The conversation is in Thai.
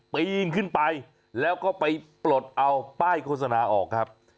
ปีนขึ้นไปแล้วก็ไปปลดเอาป้ายโฆษณาออกครับ